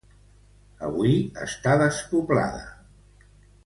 Avui està despoblada.